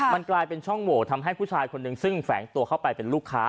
มันกลายเป็นช่องโหวตทำให้ผู้ชายคนนึงซึ่งแฝงตัวเข้าไปเป็นลูกค้า